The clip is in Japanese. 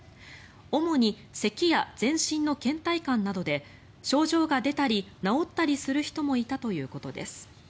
主に、せきや全身のけん怠感などで症状が出たり、治ったりする人もいたということです。